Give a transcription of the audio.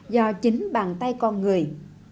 do chính bàn tay con người